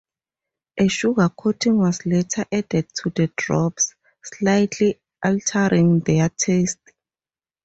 A sugar coating was later added to the drops, slightly altering their taste.